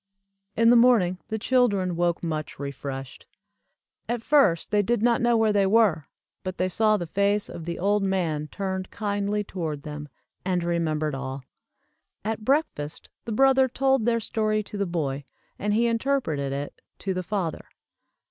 In the morning the children woke much refreshed. At first they did not know where they were, but they saw the face of the old man turned kindly toward them, and remembered all. At breakfast the brother told their story to the boy, and he interpreted it to the father.